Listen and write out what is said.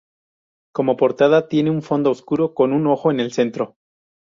Como portada tiene un fondo oscuro con un ojo en el centro.